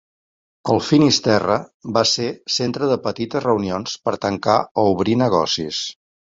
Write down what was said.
El Finisterre va ser centre de petites reunions per tancar o obrir negocis.